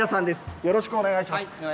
よろしくお願いします。